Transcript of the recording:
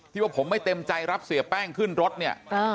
ว่าผมไม่เต็มใจรับเสียแป้งขึ้นรถเนี่ย